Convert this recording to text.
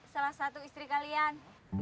salah satu istri kalian